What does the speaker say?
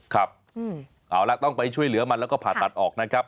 ครับเอาละต้องไปช่วยเหลือมันแล้วก็ผ่าตัดออกนะครับ